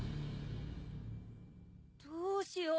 どうしよう。